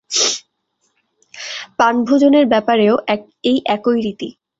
পান-ভোজনের ব্যাপারেও এই একই রীতি।